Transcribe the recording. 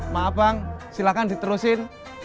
maaf bang silahkan diterusin